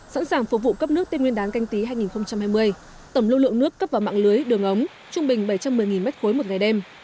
sẵn sàng phục vụ cấp nước tây nguyên đán canh tí hai nghìn hai mươi tổng lưu lượng nước cấp vào mạng lưới đường ống trung bình bảy trăm một mươi m ba một ngày đêm